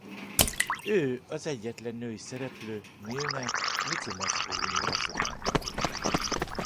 Ő az egyetlen női szereplő Milne Micimackó-univerzumában.